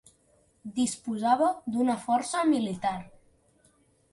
Disposava d'una força militar.